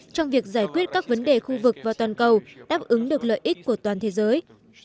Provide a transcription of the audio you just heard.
trong việc giải quyết các vấn đề khu vực và toàn cầu đáp ứng được lợi ích của toàn thế giới